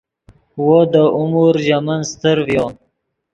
وو دے عمر ژے من استر ڤیو